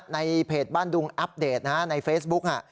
ในเพจบ้านดุงอัปเดตในเฟซบุ๊ก